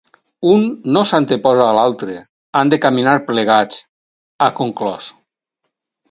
Un no s’anteposa a l’altre, han de caminar plegats, ha conclòs.